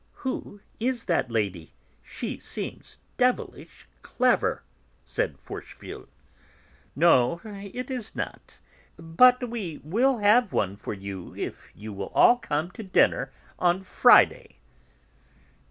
"Who is that lady? She seems devilish clever," said Forcheville. "No, it is not. But we will have one for you if you will all come to dinner on Friday."